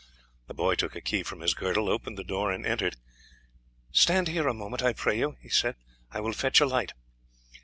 The boy took a key from his girdle, opened the door, and entered. "Stand here a moment, I pray you," he said; "I will fetch a light."